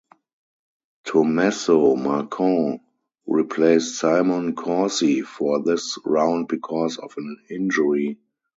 Tommaso Marcon replaced Simone Corsi for this round because of an injury.